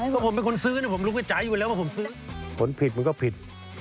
ก็ผมเป็นคนซื้อนี่ฝนผิดมัยก็ผิด